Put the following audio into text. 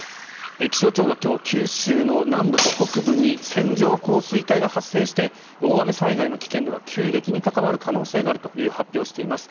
気象庁が今日九州の南部と北部に線状降水帯が発生して大雨災害の危険度が急激に高まる可能性があるという発表をしています。